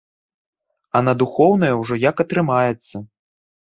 А на духоўнае ўжо як атрымаецца.